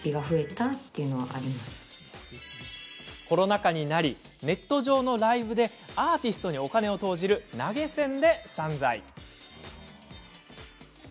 コロナ禍になりネット上のライブでアーティストにお金を投じる投げ銭で散財。